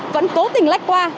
vẫn cố tình lách qua